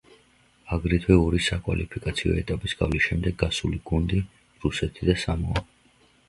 აგრეთვე ორი საკვალიფიკაციო ეტაპის გავლის შედეგად გასული გუნდი, რუსეთი და სამოა.